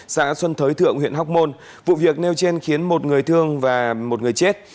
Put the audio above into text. xã xuân thới thượng huyện hóc môn vụ việc nêu trên khiến một người thương và một người chết